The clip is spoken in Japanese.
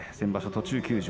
途中休場